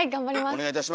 お願いいたします。